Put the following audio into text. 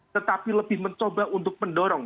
tetapi lebih mencoba untuk mendorong